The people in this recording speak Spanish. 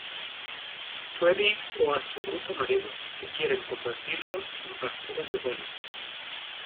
Tweedy o a su bruto marido, que quieren convertirlos en pasteles de pollo.